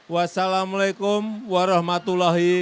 wassalamu alaikum warahmatullahi wabarakatuh